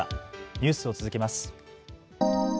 ニュースを続けます。